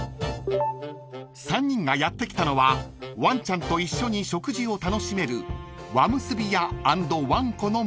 ［３人がやって来たのはワンちゃんと一緒に食事を楽しめる］